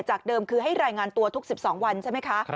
เดิมคือให้รายงานตัวทุก๑๒วันใช่ไหมคะ